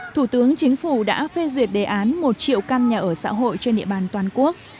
thủ tướng chính phủ đã phê duyệt đề án một triệu căn nhà ở xã hội trên địa bàn toàn quốc